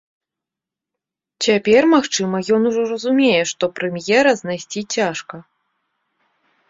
Цяпер, магчыма, ён ужо разумее, што прэм'ера знайсці цяжка.